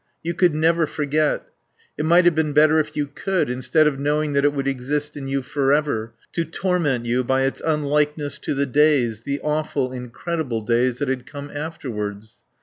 You could never forget. It might have been better if you could, instead of knowing that it would exist in you forever, to torment you by its unlikeness to the days, the awful, incredible days that had come afterwards.